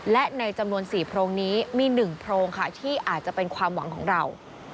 และในจำนวน๔โพรงนี้มี๑โพรงค่ะที่อาจจะเป็นความหวังของเรา